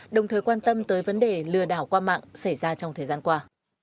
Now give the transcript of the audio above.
đồng thời quan tâm tới vấn đề lừa đảo qua mạng xảy ra trong thời gian qua